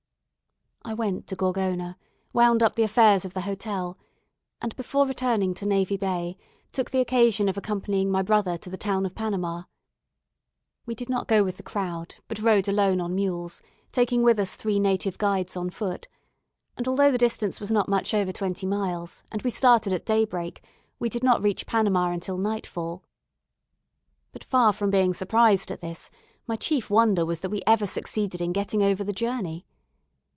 I went to Gorgona, wound up the affairs of the hotel, and, before returning to Navy Bay, took the occasion of accompanying my brother to the town of Panama. We did not go with the crowd, but rode alone on mules, taking with us three native guides on foot; and although the distance was not much over twenty miles, and we started at daybreak, we did not reach Panama until nightfall. But far from being surprised at this, my chief wonder was that we ever succeeded in getting over the journey.